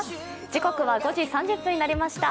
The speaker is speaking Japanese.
時刻は５時３０分になりました。